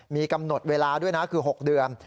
มีกำหนดเวลาด้วยนะคือ๖เดือน